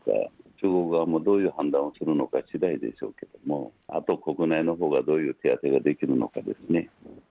中国側もどういう判断をするのかしだいでしょうけども、あと、国内のほうが、どういう手当てができるのかですね。